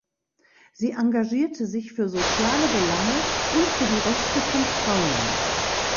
Sie engagierte sich für soziale Belange und für die Rechte von Frauen.